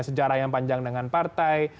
sejarah yang panjang dengan partai